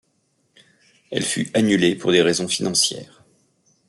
Elle fut annulée pour des raisons financières.